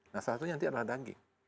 nah satu nya nanti adalah daging